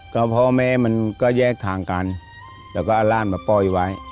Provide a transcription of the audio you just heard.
ก็พ่อแม่มันก็แยกทางกันแล้วก็เอาร่านมาปล่อยไว้